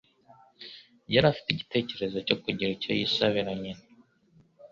yari afite igitekerezo cyo kugira icyo yasabira nyina.